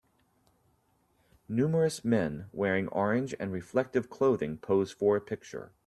Numerous men wearing orange and reflective clothing pose for a picture.